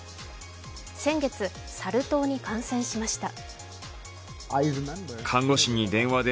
先月、サル痘に感染しました。